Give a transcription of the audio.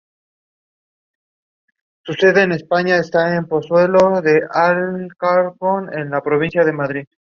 Aunque no fue una solución ideal, la acústica mejoró y pudo utilizarse la sala.